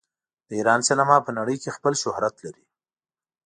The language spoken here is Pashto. د ایران سینما په نړۍ کې خپل شهرت لري.